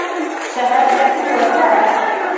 شهادة وفاة